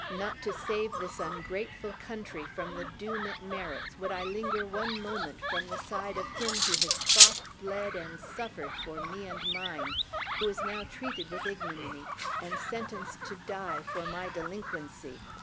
not to save this ungrateful country from the doom it merits would I linger one moment from the side of him who has fought, bled, and suffered for me and mine, who is now treated with ignominy, and sentenced to die, for my delinquency!